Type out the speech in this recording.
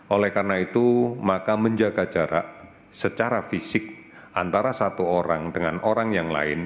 oleh karena itu maka menjaga jarak secara fisik antara satu orang dengan orang yang lain